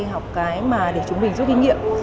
học cái mà để chúng mình giúp kinh nghiệm